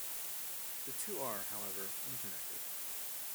The two are, however, unconnected.